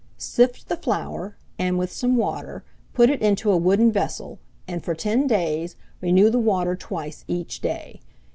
"Sift the flour, and, with some water, put it into a wooden vessel, and, for ten days, renew the water twice each day.